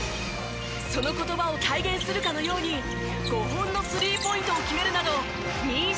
その言葉を体現するかのように５本のスリーポイントを決めるなど２５得点。